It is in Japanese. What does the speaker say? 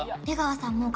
出川さん